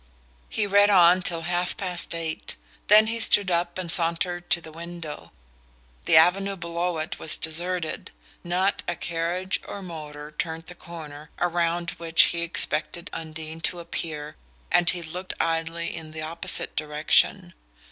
He read on till half past eight; then he stood up and sauntered to the window. The avenue below it was deserted; not a carriage or motor turned the corner around which he expected Undine to appear, and he looked idly in the opposite direction.